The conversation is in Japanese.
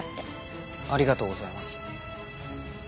ありがとうございます。